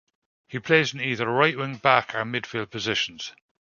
He plays in either right wing back or midfield positions.